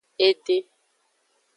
Ede.